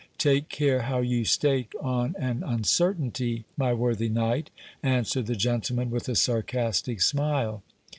Take care how you stake on an uncertainty, my worthy knight, answered the gentleman with a sarcastic smile.